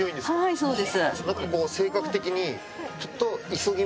そうです。